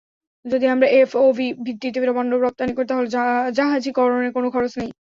যদি আমরা এফওবি ভিত্তিতে পণ্য রপ্তানি করি, তাহলে জাহাজীকরণে কোনো খরচ নেই।